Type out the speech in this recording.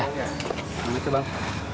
terima kasih bang